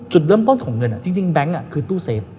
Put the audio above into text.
จุดเริ่มต้นของเงินจริงแบงค์คือตู้เซฟ